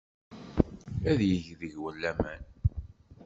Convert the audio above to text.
Ad yeg deg-wen laman.